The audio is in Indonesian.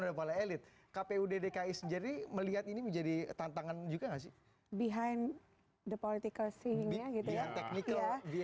oleh pahala elit kpu dki sendiri melihat ini menjadi tantangan juga gak sih behind the political scene nya gitu ya